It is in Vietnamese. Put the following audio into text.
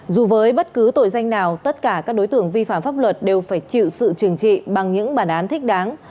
dù với bất cứ tội danh nào tất cả các đối tượng vi phạm pháp luật đều phải chịu sự trừng trị bằng những bản án thích đáng